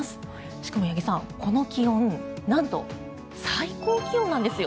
しかも、八木さん、この気温なんと、最高気温なんですよ。